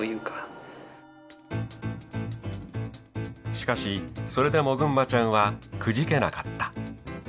しかしそれでもぐんまちゃんはくじけなかった。